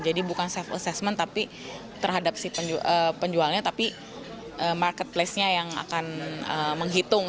jadi bukan self assessment tapi terhadap si penjualnya tapi marketplacenya yang akan menghitung